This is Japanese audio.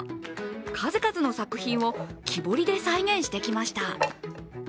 数々の作品を木彫りで再現してきました。